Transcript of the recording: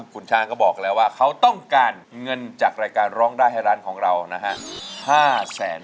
คุณช้างก็บอกแล้วว่าเขาต้องการเงินจากรายการร้องได้ให้ร้านของเรานะฮะ